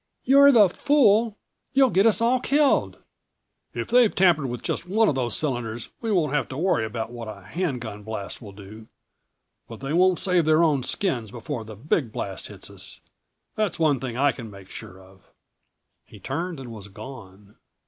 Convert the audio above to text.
"You're the fool! You'll get us all killed!" "If they've tampered with just one of those cylinders we won't have to worry about what a hand gun blast will do. But they won't save their own skins before the big blast hits us. That's one thing I can make sure of." He turned and was gone.